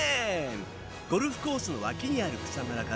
ゴルフコースの脇にある草むらからスタート！